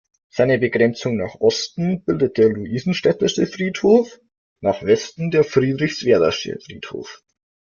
Seine Begrenzung nach Osten bildet der Luisenstädtische Friedhof, nach Westen der Friedrichswerdersche Friedhof.